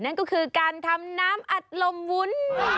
นั่นก็คือการทำน้ำอัดลมวุ้น